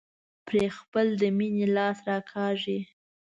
پرې خپل د مينې لاس راکاږي.